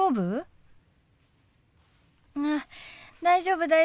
大丈夫？